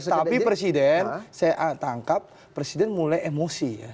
tapi presiden saya tangkap presiden mulai emosi ya